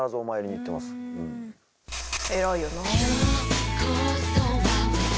偉いよな。